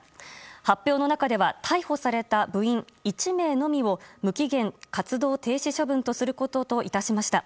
発表の中では逮捕された部員１名のみを無期限活動停止処分とすることといたしました。